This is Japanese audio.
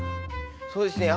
そうですね